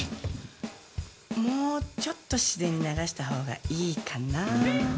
もうちょっと自然に流した方がいいかなあ。